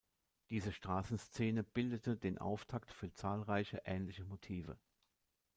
Diese Straßenszene bildete den Auftakt für zahlreiche ähnliche Motive.